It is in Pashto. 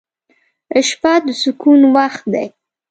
• شپه د سکون وخت دی.